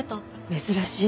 珍しい。